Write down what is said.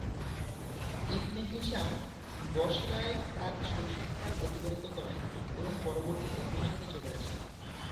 ইবনে Hisham বসরায় তার শৈশবকাল অতিবাহিত করেন এবং পরবর্তীতে মিশরে চলে আসেন।